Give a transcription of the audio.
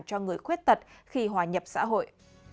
cho người khuyết tật khi hòa nhập xã hội